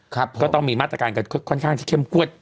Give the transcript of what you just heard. ก็ต้องมีมาตรการกันค่อนข้างที่เข้มงวด